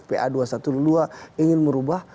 pa dua ratus dua belas ingin merubah